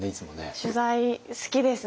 取材好きですね。